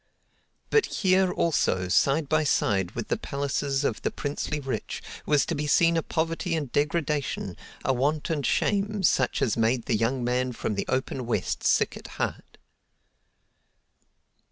But here, also, side by side with the palaces of the princely rich, was to be seen a poverty and degradation, a want and shame, such as made the young man from the open West sick at heart.